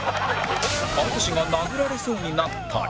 淳が殴られそうになったり